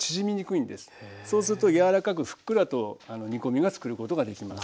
そうすると柔らかくふっくらと煮込みがつくることができます。